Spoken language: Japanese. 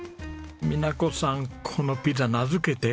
美奈子さんこのピザ名付けて？